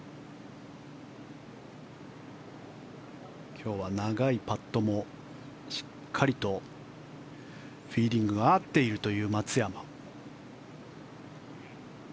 今日は長いパットもしっかりとフィーリングが合っているという松山。